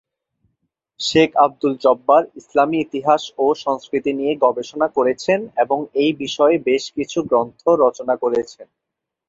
শেখ আব্দুল জব্বার ইসলামী ইতিহাস ও সংস্কৃতি নিয়ে গবেষণা করেছেন এবং এই বিষয়ে বেশ কিছু গ্রন্থ রচনা করেছেন।